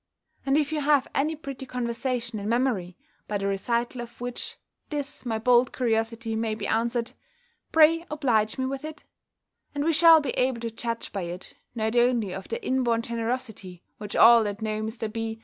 and if you have any pretty conversation in memory, by the recital of which, this my bold curiosity may be answered, pray oblige me with it; and we shall be able to judge by it, not only of the in born generosity which all that know Mr. B.